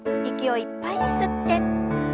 息をいっぱいに吸って。